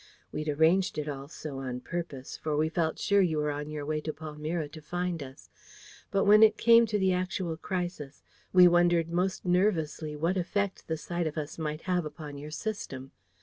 We'd arranged it all so on purpose, for we felt sure you were on your way to Palmyra to find us: but when it came to the actual crisis, we wondered most nervously what effect the sight of us might have upon your system.